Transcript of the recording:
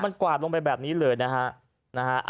มันกวาดลงไปแบบนี้เลยนะฮะ